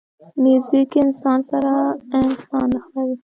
موزیک انسان سره انسان نښلوي.